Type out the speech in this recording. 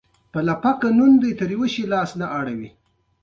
افغانستان د بزګانو د کلتور ښه کوربه دی.